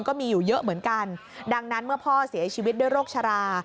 ก็มีอยู่เยอะเหมือนกันดังนั้นเมื่อพ่อเสียชีวิตด้วยโรคชรา